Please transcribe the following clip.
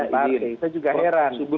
saya juga heran